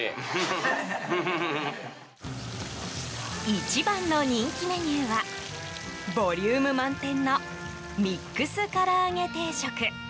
一番の人気メニューはボリューム満点のミックスカラアゲ定食。